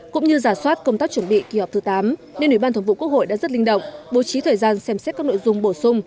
cũng như giả soát công tác chuẩn bị kỳ họp thứ tám nên ủy ban thống vụ quốc hội đã rất linh động bố trí thời gian xem xét các nội dung bổ sung